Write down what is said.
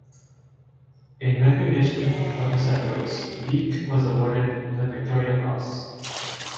In recognition of his efforts, Beak was awarded the Victoria Cross.